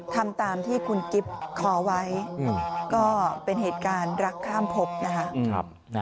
ทำตามที่คุณกิ๊บขอไว้ก็เป็นเหตุการณ์รักข้ามพบนะคะ